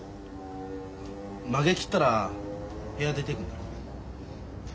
まげ切ったら部屋出ていくんだろ？